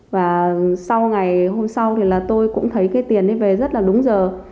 và sau ngày hôm sau thì là tôi cũng thấy cái tiền ấy về rất là đúng giờ